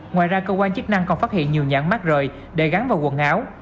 ngoài ra cơ quan chức năng còn phát hiện nhiều nhãn mát rời để gắn vào quần áo